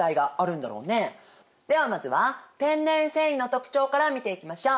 ではまずは天然繊維の特徴から見ていきましょう。